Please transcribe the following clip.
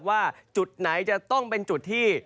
ว่าจุดไหนจะต้องเป็นจุดที่